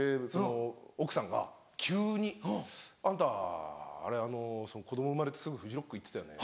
奥さんが急に「あんた子供生まれてすぐフジロック行ってたよね」。